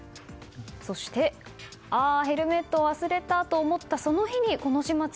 そしてああ、ヘルメットを忘れた！と思ったその日に、この始末。